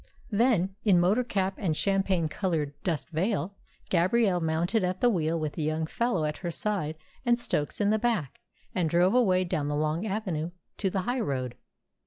Then, in motor cap and champagne coloured dust veil, Gabrielle mounted at the wheel, with the young fellow at her side and Stokes in the back, and drove away down the long avenue to the high road.